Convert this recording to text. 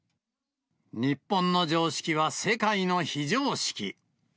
日本の常識は世界の非常識。